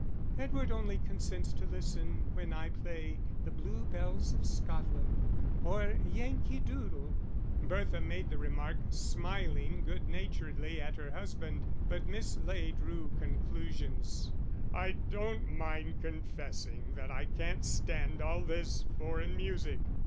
"Edward only consents to listen when I play The Blue Bells of Scotland or Yankee Doodle." Bertha made the remark, smiling good naturedly at her husband, but Miss Ley drew conclusions. "I don't mind confessing that I can't stand all this foreign music.